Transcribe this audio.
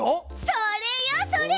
それよそれ！